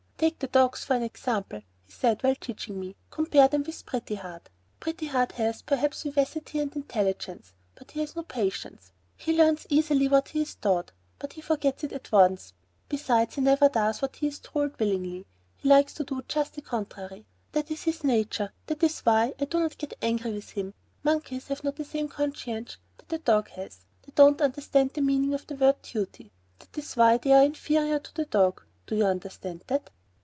"Take the dogs for an example," he said, while teaching me; "compare them with Pretty Heart. Pretty Heart has, perhaps, vivacity and intelligence, but he has no patience. He learns easily what he is taught, but he forgets it at once; besides he never does what he is told willingly. He likes to do just the contrary. That is his nature, and that is why I do not get angry with him; monkeys have not the same conscience that a dog has; they don't understand the meaning of the word 'duty,' and that is why they are inferior to the dog. Do you understand that?"